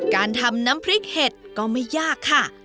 การทำน้ำพริกเห็ดก็ไม่ยากค่ะ